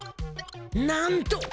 なんと！